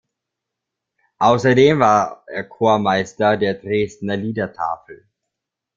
Außerdem war er Chormeister der Dresdner Liedertafel.